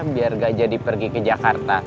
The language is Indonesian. biar gak jadi pergi ke jakarta